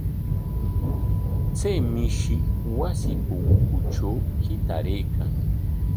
Chay mishi wasi punkutraw hitaraykan.